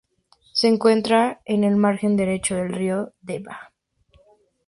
Se encuentra en el margen derecho del río Deva.